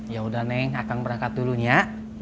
ya udah neng akang berangkat dulu nya